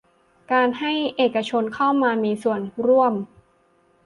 การให้เอกชนเข้ามามีส่วนร่วม